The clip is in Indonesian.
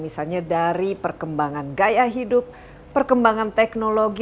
misalnya dari perkembangan gaya hidup perkembangan teknologi